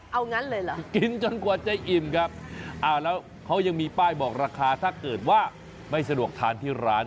เอางั้นเลยเหรอกินจนกว่าจะอิ่มครับอ้าวแล้วเขายังมีป้ายบอกราคาถ้าเกิดว่าไม่สะดวกทานที่ร้าน